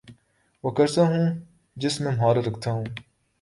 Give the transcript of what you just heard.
وہ کرتا ہوں جس میں مہارت رکھتا ہو